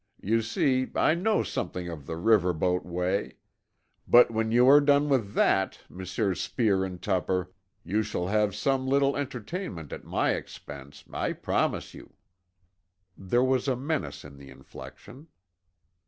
You see, I know something of the river boat way. But when you are done with that, Messrs. Speer and Tupper, you shall have some little entertainment at my expense, I promise you." There was a menace in the inflection.